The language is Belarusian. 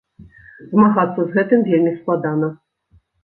Змагацца з гэтым вельмі складана.